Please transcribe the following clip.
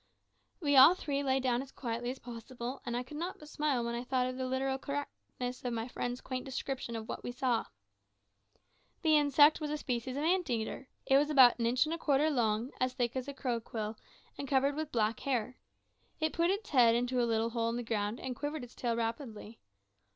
We all three lay down as quietly as possible, and I could not but smile when I thought of the literal correctness of my friend's quaint description of what we saw. The insect was a species of ant eater. It was about an inch and a quarter long, as thick as a crow quill, and covered with black hair. It put its head into a little hole in the ground, and quivered its tail rapidly.